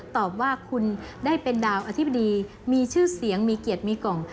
ตอบว่าคุณได้เป็นดาวอธิบดีมีชื่อเสียงมีเกียรติมีกล่อง